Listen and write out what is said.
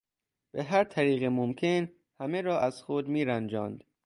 به هر طریق ممکن همه را از خود میرنجاند.